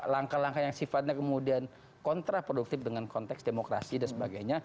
langkah langkah yang sifatnya kemudian kontraproduktif dengan konteks demokrasi dan sebagainya